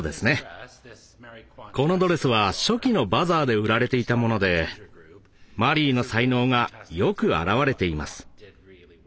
このドレスは初期の「バザー」で売られていたものでマリーの才能がよく表れています。